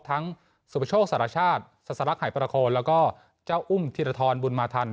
ทั้งสุพโชคสรรชาติศรักหายประโครแล้วก็เจ้าอุ่มธิรธรรมบุญมาทัน